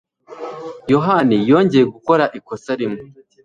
Yohani yongeye gukora ikosa rimwe.